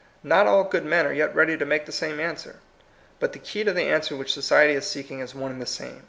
Not all good men are yet ready to make the same ans.wer. But the key to the answer which society is seeking is one and the same.